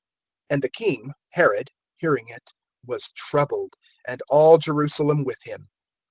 (3)And the king, Herod, hearing it, was troubled, and all Jerusalem with him.